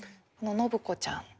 信子ちゃん。